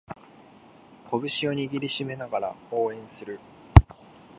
拳を握りしめながら応援する